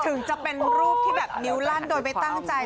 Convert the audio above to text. ถึงจะเป็นรูปที่แบบนิ้วลั่นโดยไม่ตั้งใจ